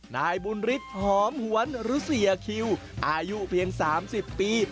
นายบุญฤทธิ์หอมหวนหรือเสียคิวอายุเพียง๓๐ปี